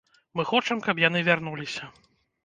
Мы хочам, каб яны вярнуліся.